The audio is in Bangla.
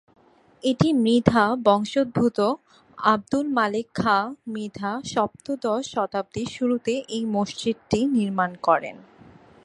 এটি মৃধা বংশোদ্ভূত আব্দুল মালেক খা মৃধা সপ্তদশ শতাব্দীর শুরুতে এই মসজিদটি নির্মাণ করেন।